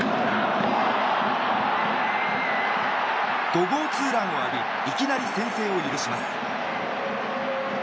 ５号ツーランを浴びいきなり先制を許します。